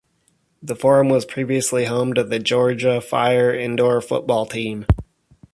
The Forum was previously home to the Georgia Fire indoor football team.